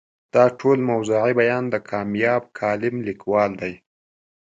دا ټول موضوعي بیان د کامیاب کالم لیکوال دی.